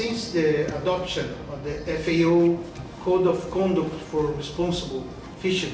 pertama fisi yang bergantung pada wilayah maritim